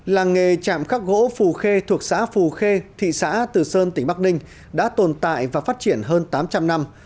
làng nghề trạm khắc gỗ phù khê thuộc xã phù khê thị xã từ sơn tỉnh bắc ninh đã tồn tại và phát triển hơn tám trăm linh năm